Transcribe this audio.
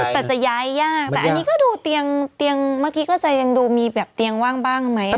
แต่จะย้ายยากแต่อันนี้ก็ดูเตียงเมื่อกี้ก็จะยังดูมีแบบเตียงว่างบ้างไหม